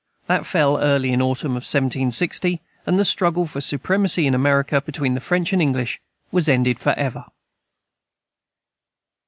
That fell early in the Autumn of 1760; and the struggle for supremacy in America, between the French and English, was ended for ever.